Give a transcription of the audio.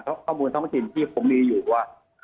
ข้อมูลท้องสินที่ผมมีอยู่ว่า